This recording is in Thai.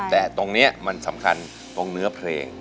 แต่ตรงนี้มันสำคัญตรงเนื้อเพลง